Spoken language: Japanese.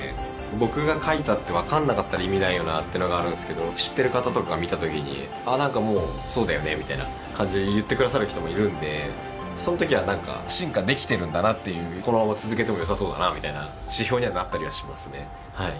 僕が描いたってわかんなかったら意味ないよなっていうのがあるんですけど知ってる方とかが見たときにああなんかもうそうだよねみたいな感じで言ってくださる人もいるんでそんときはなんか進化できてるんだなっていうこのまま続けてもよさそうだなみたいな指標にはなったりはしますねはい